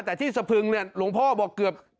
แต่ที่สะพึงเนี่ยหลวงพ่อบอกเกือบ